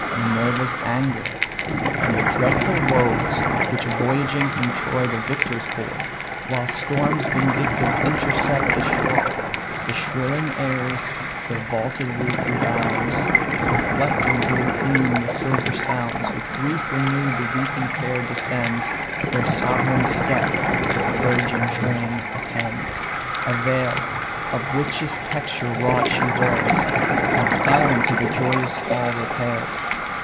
Minerva's anger, and the dreadful woes Which voyaging from Troy the victors bore, While storms vindictive intercept the store. The shrilling airs the vaulted roof rebounds, Reflecting to the queen the silver sounds. With grief renew'd the weeping fair descends; Their sovereign's step a virgin train attends: A veil, of richest texture wrought, she wears, And silent to the joyous hall repairs.